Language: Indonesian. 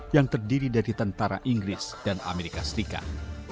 yang terdiri dari tentara inggris dan amerika serikat